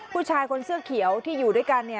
ผู้ชายคนเสื้อเขียวที่อยู่ด้วยกันเนี่ย